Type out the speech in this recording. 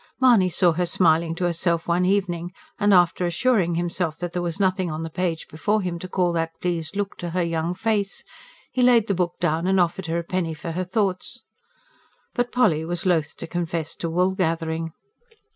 Mahony saw her smiling to herself one evening; and after assuring himself that there was nothing on the page before him to call that pleased look to her young face, he laid the book down and offered her a penny for her thoughts. But Polly was loath to confess to wool gathering.